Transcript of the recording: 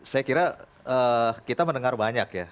saya kira kita mendengar banyak ya